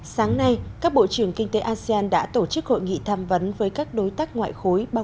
sáng nay các bộ trưởng kinh tế asean đã tổ chức hội nghị tham vấn với các đối tác ngoại khối bao